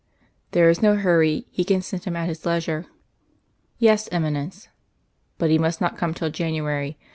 "There is no hurry. He can send him at his leisure." "Yes, Eminence." "But he must not come till January.